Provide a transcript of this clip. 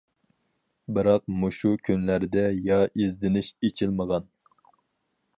بىراق مۇشۇ كۈنلەردە يا ئىزدىنىش ئېچىلمىغان.